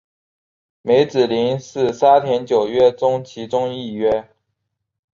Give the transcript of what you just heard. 梅子林是沙田九约中其中一约。